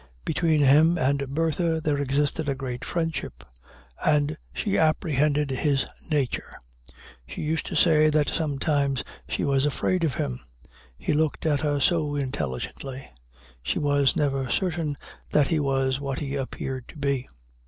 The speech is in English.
Between him and Bertha there existed a great friendship, and she apprehended his nature; she used to say that sometimes she was afraid of him, he looked at her so intelligently; she was never certain that he was what he appeared to be.